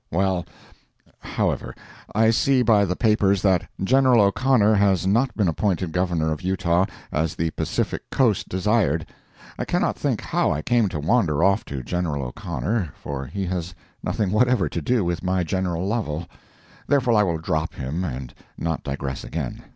Well—. However, I see by the papers that General O'Connor has not been appointed Governor of Utah, as the Pacific coast desired. I cannot think how I came to wander off to General O'Connor, for he has nothing whatever to do with my General Lovel. Therefore I will drop him and not digress again.